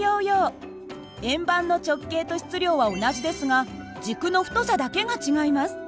円盤の直径と質量は同じですが軸の太さだけが違います。